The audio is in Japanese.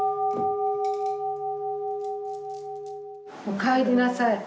おかえりなさい。